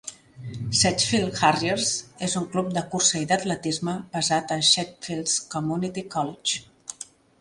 "Sedgefield Harriers" és un club de cursa i d'atletisme basat a Sedgefield Community College.